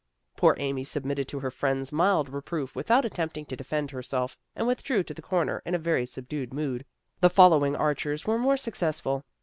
Poor Amy submitted to her friend's mild reproof without attempting to defend herself, and withdrew to the corner in a very subdued mood. The following archers were more suc cessful.